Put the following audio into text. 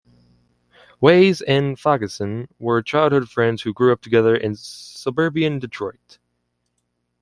Weiss and Fagenson were childhood friends who grew up together in suburban Detroit.